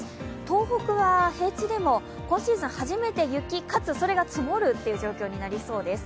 東北は、平地でも今シーズン初めて雪かつそれが曇るということになりそうです。